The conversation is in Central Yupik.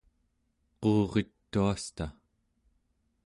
quurituasta